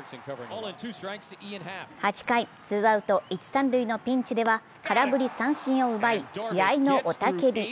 ８回ツーアウト、一・三塁のピンチでは、空振り三振を奪い、気合いの雄たけび。